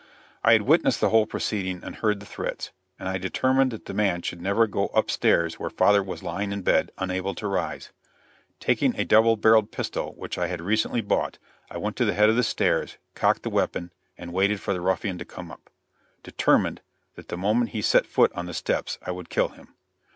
I had witnessed the whole proceeding, and heard the threats, and I determined that the man should never go up stairs where father was lying in bed, unable to rise. Taking a double barreled pistol which I had recently bought, I went to the head of the stairs, cocked the weapon, and waited for the ruffian to come up, determined, that the moment he set foot on the steps I would kill him.